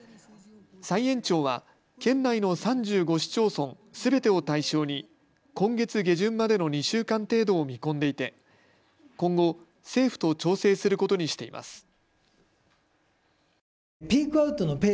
再延長は県内の３５市町村すべてを対象に今月下旬までの２週間程度を見込んでいて今後、政府と調整することにしています。